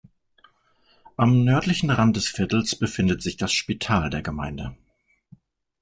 Am nördlichen Rand des Viertels befindet sich das Spital der Gemeinde.